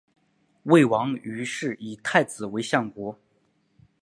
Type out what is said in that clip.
魏王于是以太子为相国。